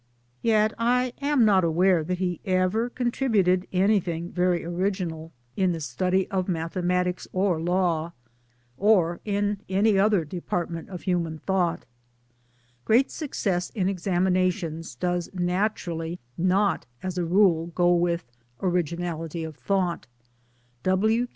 Yet I am not aware that he ever contributed anything very 212 MY DAYS AND DREAMS original in the study of mathematics or law or in any other department of human thought. Great success in examinations does naturally not as a rule go with originality of thought.